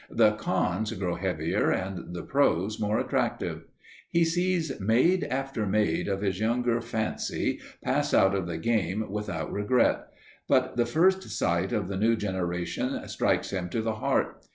The "cons" grow heavier, and the "pros" more attractive. He sees maid after maid of his younger fancy pass out of the game without regret, but the first sight of the new generation strikes him to the heart.